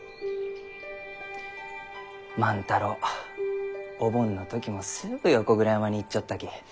万太郎お盆の時もすぐ横倉山に行っちょったき。